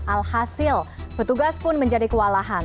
alhasil petugas pun menjadi kewalahan